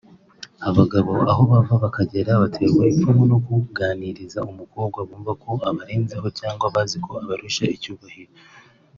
Abagabo aho bava bakagera baterwa ipfunwe no kuganiriza umukobwa bumva ko abarenzeho cyangwa bazi ko abarusha icyubahiro